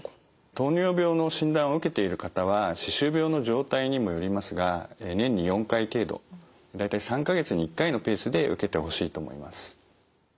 糖尿病の診断を受けている方は歯周病の状態にもよりますが年に４回程度大体３か月に１回のペースで受けてほしいと思います。